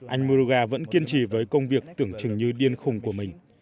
anh muruganatham vẫn kiên trì với công việc tưởng chừng như điên khùng của mình